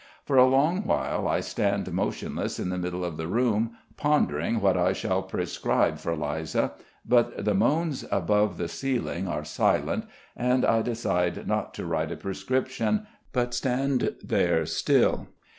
For a long while I stand motionless in the middle of the room, pondering what I shall prescribe for Liza; but the moans above the ceiling are silent and I decide not to write a prescription, but stand there still.